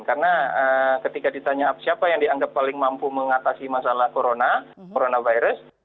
karena ketika ditanya siapa yang dianggap paling mampu mengatasi masalah covid sembilan belas